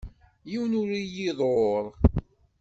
Yiwen ur iyi-iḍurr.